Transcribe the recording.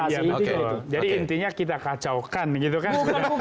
jadi intinya kita kacaukan gitu kan